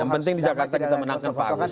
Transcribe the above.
yang penting di jakarta kita menangkan pak agus